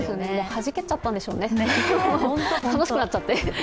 はじけちゃったんでしょうね、楽しくなっちゃって。